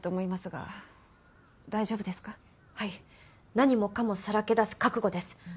何もかもさらけ出す覚悟です。